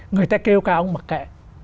người ta kêu ca ông mà kệ